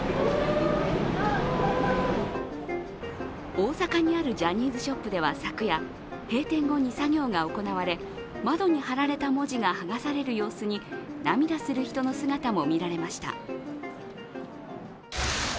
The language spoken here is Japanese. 大阪にあるジャニーズショップでは昨夜、閉店後に作業が行われ、窓に貼られた文字が剥がされる様子に涙する人の姿も見られました。